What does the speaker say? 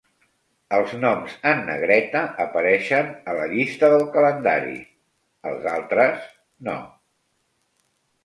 Els noms en negreta apareixen a la llista del calendari; els altres, no.